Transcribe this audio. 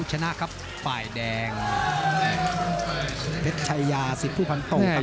เจ็ดไชยา๑๐ผู้พันต้องครับ